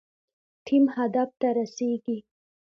ټیم هدف ته رسیږي